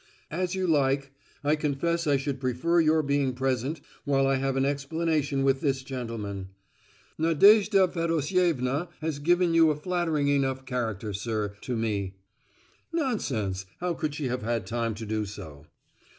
"As you like; I confess I should prefer your being present while I have an explanation with this gentleman. Nadejda Fedosievna has given you a flattering enough character, sir, to me." "Nonsense; how could she have had time to do so?"